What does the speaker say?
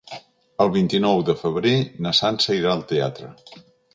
El vint-i-nou de febrer na Sança irà al teatre.